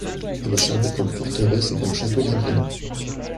Il a servi comme forteresse et comme château d'agrément.